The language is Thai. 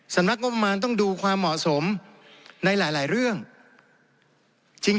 สำนักงบประมาณต้องดูความเหมาะสมในหลายเรื่องจริง